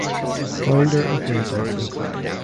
Founder of agency.